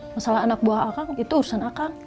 masalah anak buah kang itu urusan kang